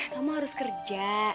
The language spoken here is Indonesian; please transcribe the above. kamu harus kerja